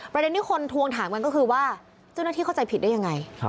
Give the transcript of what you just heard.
ประเด็นที่คนทวงถามกันก็คือว่าเจ้าหน้าที่เข้าใจผิดได้ยังไง